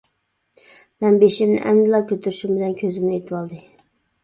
مەن بېشىمنى ئەمدىلا كۆتۈرۈشۈم بىلەن كۆزۈمنى ئېتىۋالدى.